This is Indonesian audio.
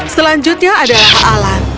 selanjutnya adalah alan